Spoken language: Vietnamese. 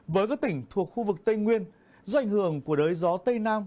với các tỉnh thuộc khu vực tây nguyên do ảnh hưởng của đới gió tây nam